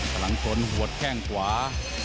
พลังชนหัวแข้งขวา